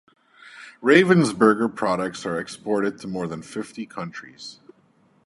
Ravensburger products are exported to more than fifty countries.